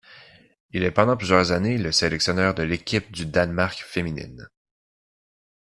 Il est pendant plusieurs années le sélectionneur de l'équipe du Danemark féminine.